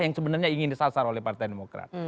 yang sebenarnya ingin disasar oleh partai demokrat